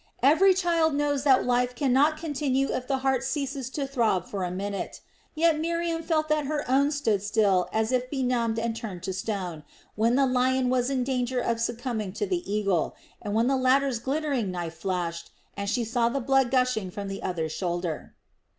Every child knows that life cannot continue if the heart ceases to throb for a minute; yet Miriam felt that her own stood still as if benumbed and turned to stone, when the lion was in danger of succumbing to the eagle, and when the latter's glittering knife flashed, and she saw the blood gushing from the other's shoulder.